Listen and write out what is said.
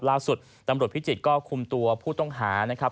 ล่าสุดตำรวจพิจิตรก็คุมตัวผู้ต้องหานะครับ